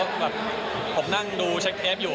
แบบผมนั่งดูเช็คเทปอยู่